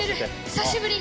久しぶり。